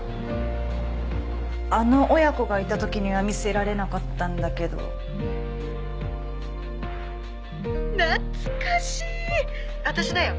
あの親子がいたときには見せられなかったんだけど懐かしい私だよ